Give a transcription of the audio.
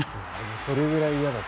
それぐらい嫌だと。